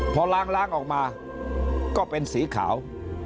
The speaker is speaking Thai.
พอล้างออกมาก็เป็นสีขาว